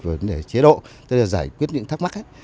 vấn đề chế độ tức là giải quyết những thắc mắc ấy